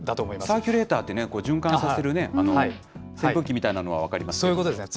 サーキュレーターってね、循環させる扇風機みたいなのは分かそういうことですね。